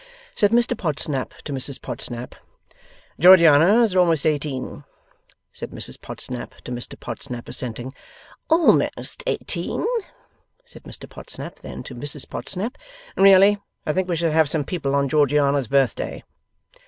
Said Mr Podsnap to Mrs Podsnap, 'Georgiana is almost eighteen.' Said Mrs Podsnap to Mr Podsnap, assenting, 'Almost eighteen.' Said Mr Podsnap then to Mrs Podsnap, 'Really I think we should have some people on Georgiana's birthday.